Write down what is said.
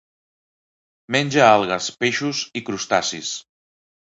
Menja algues, peixos i crustacis.